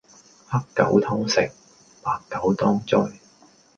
黑狗偷食，白狗當災